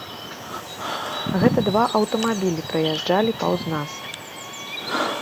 Гэта два аўтамабілі праязджалі паўз нас.